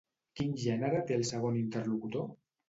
Quin gènere té el segon interlocutor?